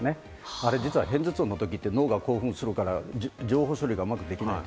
あれは片頭痛のときは脳が興奮状態で情報処理がうまくできない。